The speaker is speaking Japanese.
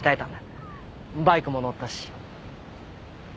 バイクも乗ったし。